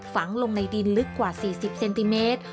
ฝังลงในดินลึกกว่า๔๐เซนติเมตร